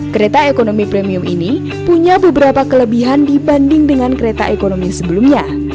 kereta ekonomi premium ini punya beberapa kelebihan dibanding dengan kereta ekonomi sebelumnya